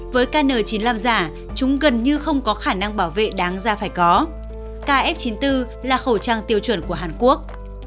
với kn chín mươi năm giả chúng gần như không có khả năng bảo vệ đáng ra phải có kf chín mươi bốn là khẩu trang tiêu chuẩn của hàn quốc